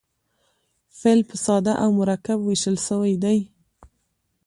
فعل پر ساده او مرکب وېشل سوی دئ.